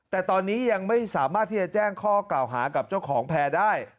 แต่ตอนนี้ยังไม่สามารถที่จะแจ้งข้อกล่าวหากับเจ้าของแพร่ได้